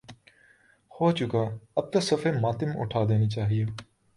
ہو چکا اب تو صف ماتم اٹھاد ینی چاہیے۔